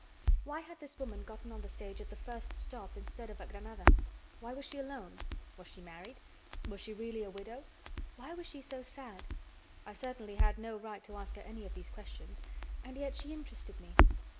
Why had this woman gotten on the stage at the first stop instead of at Granada? Why was she alone? Was she married? Was she really a widow? Why was she so sad? I certainly had no right to ask her any of these questions, and yet she interested me.